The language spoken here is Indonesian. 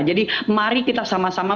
jadi mari kita sama sama